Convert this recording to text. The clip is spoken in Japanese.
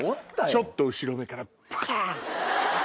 ちょっと後ろからバン！